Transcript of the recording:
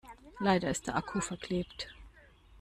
Leider ist der Akku verklebt.